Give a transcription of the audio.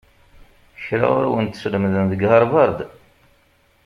Kra ur wen-t-sslemden deg Havard?